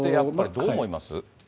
どう思います？